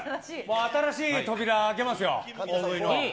新しい扉、開けますよ、大食いの。